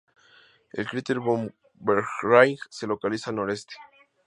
El cráter Von Behring se localiza al noreste.